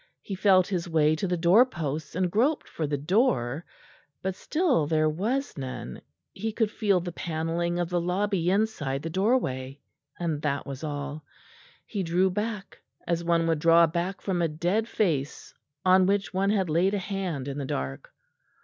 He felt his way to the doorposts and groped for the door; but still there was none; he could feel the panelling of the lobby inside the doorway, and that was all. He drew back, as one would draw back from a dead face on which one had laid a hand in the dark.